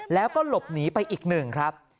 แล้วก็หลบหนีไปอีก๑ครับ